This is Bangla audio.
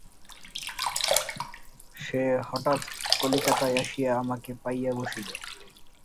সে হঠাৎ কলিকাতায় আসিয়া আমাকে পাইয়া বসিল।